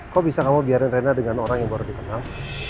kok bisa kamu biarin rena dengan orang yang baru dikenal